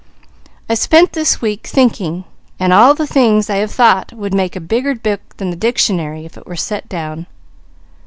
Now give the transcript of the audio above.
I've spent this week thinking, and all the things I have thought would make a bigger book than the dictionary if they were set down.